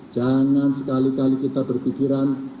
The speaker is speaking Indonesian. jangan sekali kali kita berpikiran